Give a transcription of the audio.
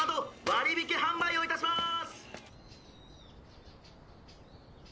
「割引販売を致しまーす！」